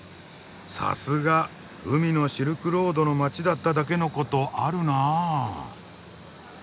さすが海のシルクロードの街だっただけのことあるなあ。